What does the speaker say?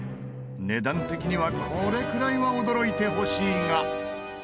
値段的にはこれくらいは驚いてほしいが。